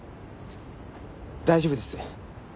大丈夫です。